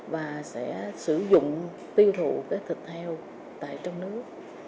và sẽ sử dụng tiêu thụ cái thịt heo tại trong nước